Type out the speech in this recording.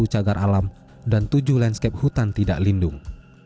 satu cagar alam dan tujuh landscape hutan tidak lindung